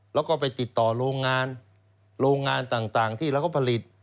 แล้วก็ไปติดต่อโรงงานโรงงานต่างที่เราก็ผลิต